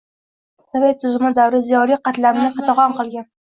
Sobiq sovet tuzumi davri ziyoli qatlamni qatag'on qilgan.